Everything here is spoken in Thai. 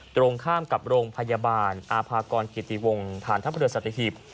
ตรงข้ามกับโรงพยาบาลอาภากรกิติวงฐานทัพเรือสัตหิบ